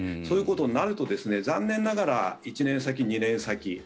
そういうことになると残念ながら１年先、２年先。